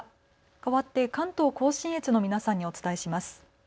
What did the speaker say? かわって関東甲信越の皆さんにお伝えします。